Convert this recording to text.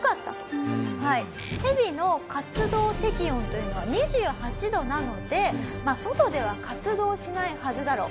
ヘビの活動適温というのは２８度なのでまあ外では活動しないはずだろう。